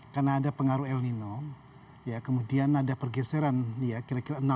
karena ada pengaruh el nino ya kemudian ada pergeseran ya kira kira